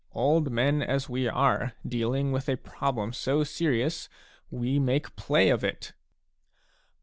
Old men as we are, dealing with a problem so serious, we make play of it